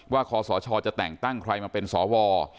ว่าคศชจะแต่งแต่งใครมาเป็นศว